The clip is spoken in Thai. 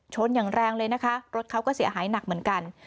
อย่างแรงเลยนะคะรถเขาก็เสียหายหนักเหมือนกัน